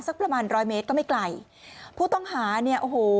สักประมาณร้อยเมตรก็ไม่ไกลผู้ต้องหาเนี่ยโอ้โห